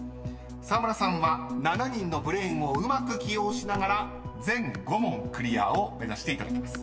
沢村さんは７人のブレーンをうまく起用しながら全５問クリアを目指していただきます］